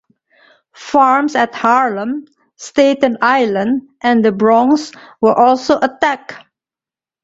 Farms at Harlem, Staten Island, and the Bronx were also attacked.